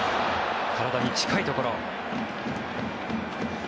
体に近いところ。